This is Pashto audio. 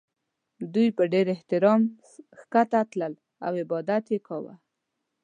دوی په ډېر احترام ښکته تلل او عبادت یې کاوه.